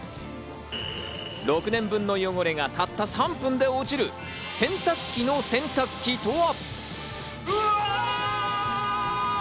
６年分の汚れがたった３分で落ちる、洗濯機の洗濯機とは？